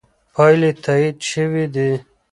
پایلې تایید شوې دي.